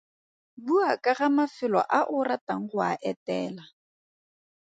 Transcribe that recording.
Bua ka ga mafelo a o ratang go a etela.